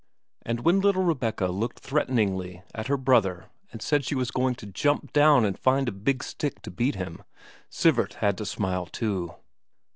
And when little Rebecca looked threateningly at her brother and said she was going to jump down and find a big stick to beat him, Sivert had to smile too.